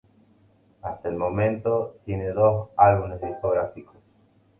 Hasta el momento tiene dos álbumes discográficos.